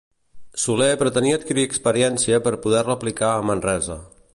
Soler pretenia adquirir experiència per poder-la aplicar a Manresa.